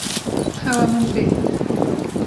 Xewa min tê.